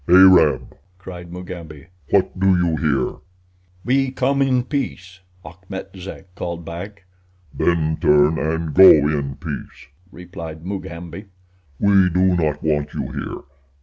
"Arab!" cried Mugambi. "What do you here?" "We come in peace," Achmet Zek called back. "Then turn and go in peace," replied Mugambi. "We do not want you here.